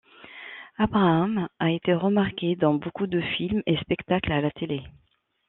Abrahams a été remarqué dans beaucoup de films et spectacles à la télé.